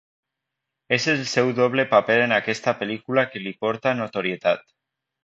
És el seu doble paper en aquesta pel·lícula que li aporta notorietat.